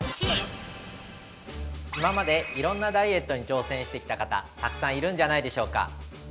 ◆今までいろんなダイエットに挑戦してきた方、たくさんいるんじゃないでしょうか。